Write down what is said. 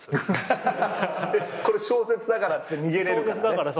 これ小説だからっつって逃げれるからね。